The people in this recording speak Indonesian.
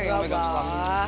tunggu bercanda aja